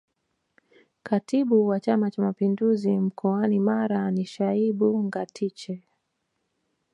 Katibu wa Chama cha Mapinduzi mkoanu Mara ni Shaibu Ngatiche